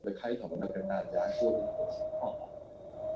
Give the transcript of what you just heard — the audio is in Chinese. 由北周拥立的傀儡政权后梁管理。